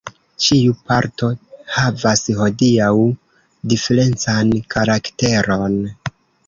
Ĉiu parto havas hodiaŭ diferencan karakteron.